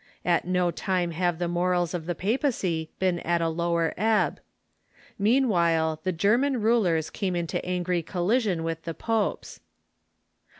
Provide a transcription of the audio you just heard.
At no time have the morals of the papacy been at a lower ebb. Meanwhile the German rulers came into angry collision Avith the popes.